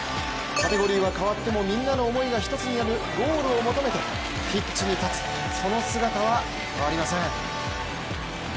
カテゴリーは変わってもみんなの思いが一つになるゴールを求めてピッチに立つ、その姿は変わりません。